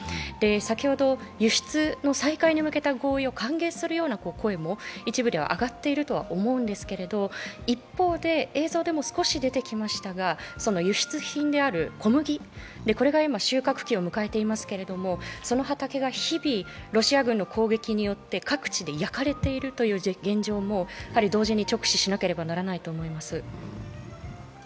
先ほど輸出の再開に向けた合意を歓迎するような声も一部では上がっているとは思うんですが、一方で、輸出品である小麦が今、収穫期を迎えていますけれどもその畑が日々ロシア軍の攻撃によって各地で焼かれているという現状も同時に直視しなければならないと思います。